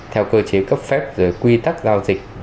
theo cơ chế cấp phép rồi quy tắc giao dịch